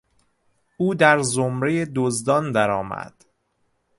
او در زمرهی دزدان در آمد.